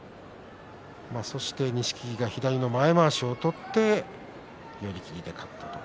錦木が左の前まわしを取って寄り切りで勝ちました。